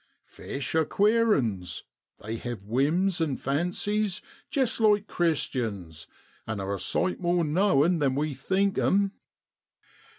5 * Fish are queer 'uns. They hev whims an' fancies jest like Christians, and are a sight more knowin' than we think 'em.'